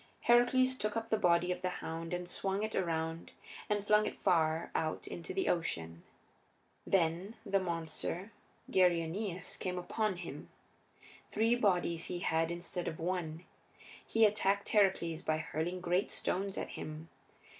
Heracles took up the body of the hound, and swung it around and flung it far out into the Ocean. Then the monster Geryoneus came upon him. Three bodies he had instead of one; he attacked Heracles by hurling great stones at him.